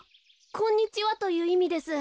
「こんにちは」といういみです。